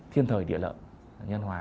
thiên thời địa lợi nhân hòa